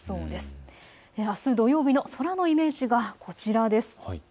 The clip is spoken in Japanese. あす土曜日の空のイメージはこちらです。